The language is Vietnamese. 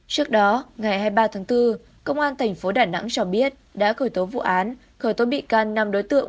trước đó ngày hai mươi ba tháng bốn công an tp đà nẵng cho biết đã khởi tố vụ án khởi tố bị can năm đối tượng